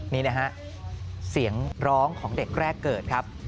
นี่นะฮะเสียงร้องของเด็กแรกเกิดครับ